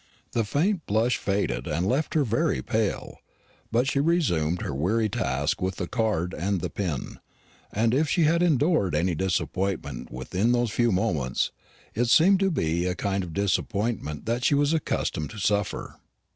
The faint blush faded and left her very pale: but she resumed her weary task with the card and the pin; and if she had endured any disappointment within those few moments, it seemed to be a kind of disappointment that she was accustomed to suffer.